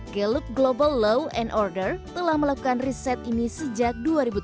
galup global law and order telah melakukan riset ini sejak dua ribu tujuh belas